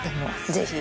ぜひ。